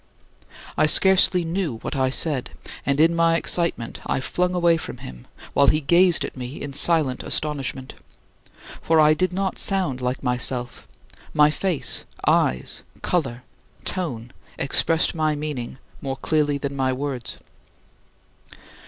I scarcely knew what I said, and in my excitement I flung away from him, while he gazed at me in silent astonishment. For I did not sound like myself: my face, eyes, color, tone expressed my meaning more clearly than my words.